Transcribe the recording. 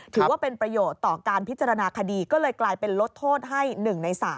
ถือว่าเป็นประโยชน์ต่อการพิจารณาคดีก็เลยกลายเป็นลดโทษให้๑ใน๓